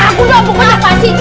aku udah ampunnya pasir